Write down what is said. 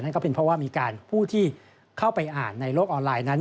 ก็เป็นเพราะว่ามีการผู้ที่เข้าไปอ่านในโลกออนไลน์นั้น